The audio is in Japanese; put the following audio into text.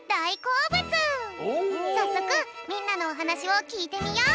さっそくみんなのおはなしをきいてみよう。